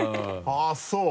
あぁそう。